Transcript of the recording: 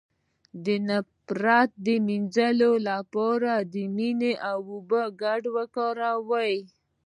د نفرت د مینځلو لپاره د مینې او اوبو ګډول وکاروئ